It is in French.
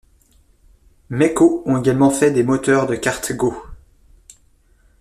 Maico ont également fait des moteurs de kart Go.